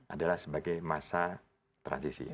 adalah sebagai masa transisi